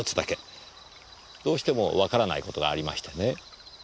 どうしてもわからないことがありましてね。